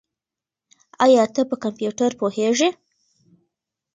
ایا ته په کمپیوټر پوهېږې؟